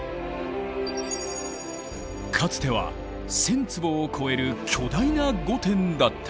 かつては１，０００坪を超える巨大な御殿だった。